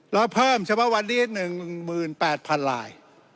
เราเพิ่มเฉพาะวันนี้๑๘๐๐๐ลาย